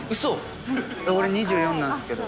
俺２４なんすけど。